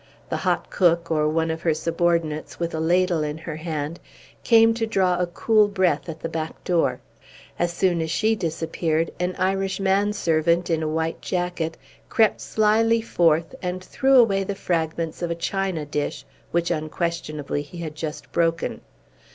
The hot cook, or one of her subordinates, with a ladle in her hand, came to draw a cool breath at the back door. As soon as she disappeared, an Irish man servant, in a white jacket, crept slyly forth, and threw away the fragments of a china dish, which, unquestionably, he had just broken.